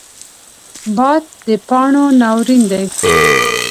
باد د پاڼو ناورین دی